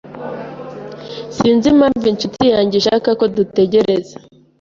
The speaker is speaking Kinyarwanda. Sinzi impamvu inshuti yanjye ishaka ko dutegereza.